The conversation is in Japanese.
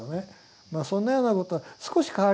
まあそんなようなことは少し変わりましたね。